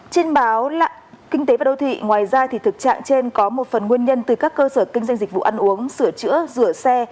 trên báo kinh tế và đô thị ngoài ra thực trạng trên có một phần nguyên nhân từ các cơ sở kinh doanh dịch vụ ăn uống sửa chữa rửa xe